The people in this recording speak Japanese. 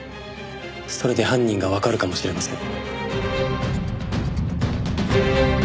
それで犯人がわかるかもしれません。